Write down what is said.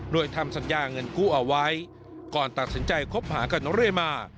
โดยทำสัญญาเงินกู้เอาไว้ก่อนตัดสินใจคบหากับน้องเรมา